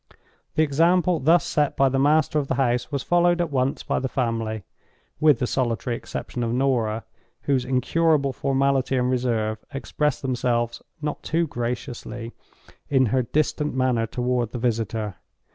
The example thus set by the master of the house was followed at once by the family—with the solitary exception of Norah, whose incurable formality and reserve expressed themselves, not too graciously, in her distant manner toward the visitor.